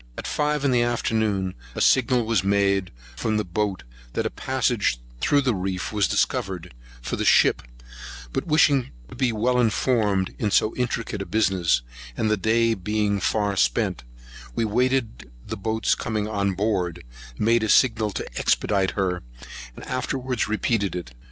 At five in the afternoon, a signal was made from the boat, that a passage through the reef was discovered for the ship; but wishing to be well informed in so intricate a business, and the day being far spent, we waited the boats coming on board, made a signal to expedite her, and afterwards repeated it.